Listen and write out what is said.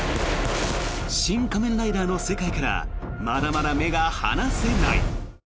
「シン・仮面ライダー」の世界からまだまだ目が離せない。